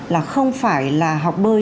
là không phải là học bơi